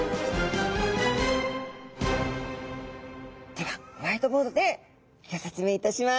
ではホワイトボードでギョ説明いたします。